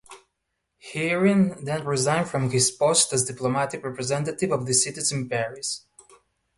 Heeren then resigned from his post as diplomatic representative of the cities in Paris.